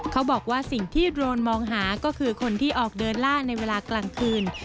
เขาบอกว่าสิ่งที่โดรนมองหาก็คือคนที่ออกเดินล่าในเวลากลางคืน